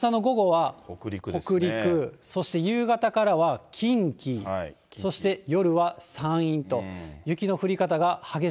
北陸、そして夕方からは近畿、そして夜は山陰と、雪の降り方が激しく。